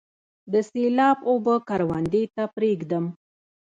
د سیلاب اوبه کروندې ته پریږدم؟